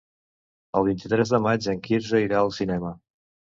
El vint-i-tres de maig en Quirze irà al cinema.